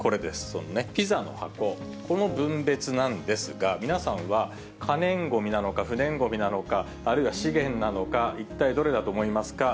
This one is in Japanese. そのピザの箱、この分別なんですが、皆さんは可燃ごみなのか、不燃ごみなのか、あるいは資源なのか、一体どれだと思いますか？